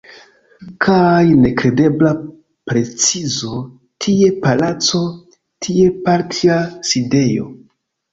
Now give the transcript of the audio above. Kaj nekredebla precizo – tie palaco, tie partia sidejo.